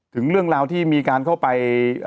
ถึงเรื่องราวที่มีการเข้าไป